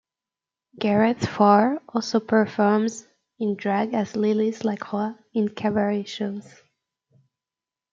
Gareth Farr also performs in drag as Lilith LaCroix in cabaret shows.